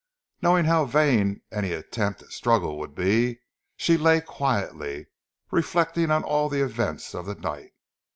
Knowing how vain any attempt at struggle would be, she lay quietly; reflecting on all the events of the night.